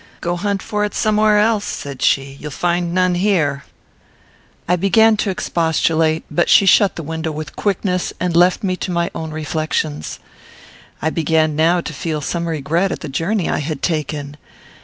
"Go hunt for it somewhere else," said she; "you'll find none here." I began to expostulate; but she shut the window with quickness, and left me to my own reflections. I began now to feel some regret at the journey I had taken.